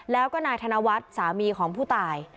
แล้วก็นายธนวัฒน์สามีของผู้ตาย